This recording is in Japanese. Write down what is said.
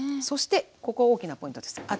そしてここ大きなポイントです。